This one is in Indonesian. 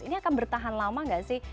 ini akan bertahan lama nggak sih